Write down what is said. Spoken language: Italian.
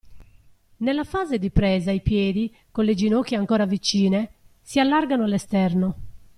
Nella fase di presa i piedi, con le ginocchia ancora vicine, si allargano all'esterno.